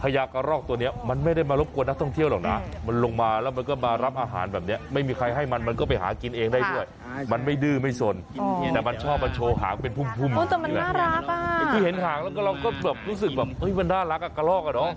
หางเป็นพุ่มมันน่ารักคือเห็นหางแล้วก็เราก็แบบรู้สึกแบบนี่มันน่ารักกะรอก